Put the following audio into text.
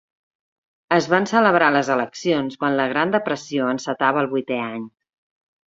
Es van celebrar les eleccions quan la Gran Depressió encetava el vuitè any.